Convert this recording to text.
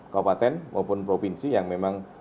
kabupaten maupun provinsi yang memang